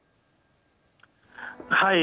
はい。